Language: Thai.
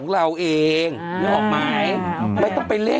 ไปเฮอะไปเฮอะ